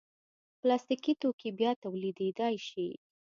پلاستيکي توکي بیا تولیدېدای شي.